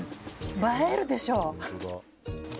映えるでしょ。